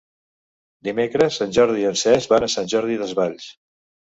Dimecres en Jordi i en Cesc van a Sant Jordi Desvalls.